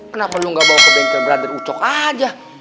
kenapa lo ga bawa ke bengkel brother ucok aja